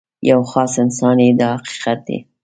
یو خاص انسان یې دا حقیقت دی.